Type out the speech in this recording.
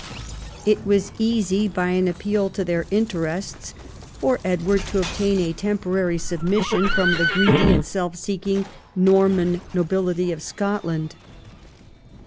It was easy by an appeal to their interests for Edward to obtain a tem porary submission from the greedy and self seeking Norman nobility of Scotland.